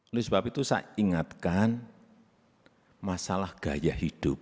oleh sebab itu saya ingatkan masalah gaya hidup